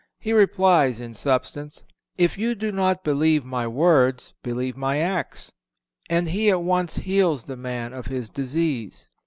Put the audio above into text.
He replies, in substance: If you do not believe My words, believe My acts; and He at once heals the man of his disease.